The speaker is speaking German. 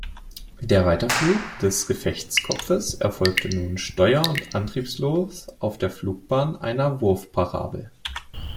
Der Weiterflug des Gefechtskopfes erfolgte nun steuer- und antriebslos auf der Flugbahn einer Wurfparabel.